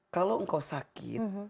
kalau engkau sakit